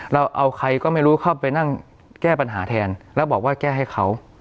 เราเอาใครก็ไม่รู้เข้าไปนั่งแก้ปัญหาแทนแล้วบอกว่าแก้ให้เขา